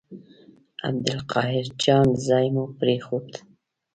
عبدالقاهر جان ځای مو پرېښود.